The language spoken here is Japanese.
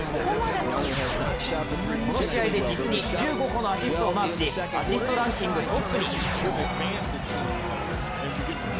この試合で、実に１５個のアシストをマークし、アシストランキングトップに。